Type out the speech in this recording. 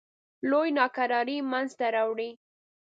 لویې ناکرارۍ منځته راوړې.